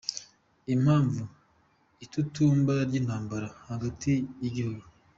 ”Impamvu : Itutumba ry’intambara hagati mu gihugu” :